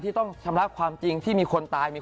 ที่ต้องชำระความจริงที่มีคนตาย